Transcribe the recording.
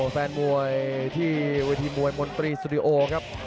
แฟนมวยที่เวทีมวยมนตรีสตูดิโอครับ